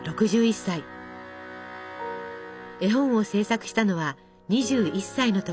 絵本を制作したのは２１歳の時。